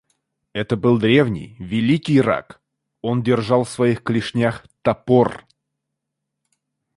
Это был древний, великий рак; он держал в своих клешнях топор.